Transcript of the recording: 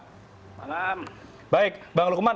selamat malam baik bang lukman